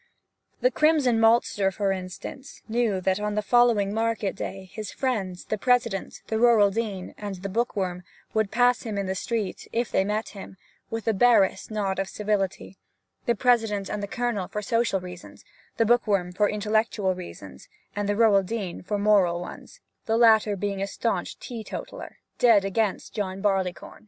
The crimson maltster, for instance, knew that on the following market day his friends the President, the Rural Dean, and the bookworm would pass him in the street, if they met him, with the barest nod of civility, the President and the Colonel for social reasons, the bookworm for intellectual reasons, and the Rural Dean for moral ones, the latter being a staunch teetotaller, dead against John Barleycorn.